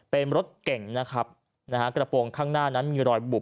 เป็นรถเก่งนะครับนะฮะกระโปรงข้างหน้านั้นมีรอยบุบ